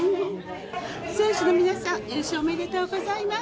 選手の皆さん、優勝おめでとうございます。